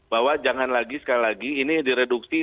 bahwa jangan lagi sekali lagi ini direduksi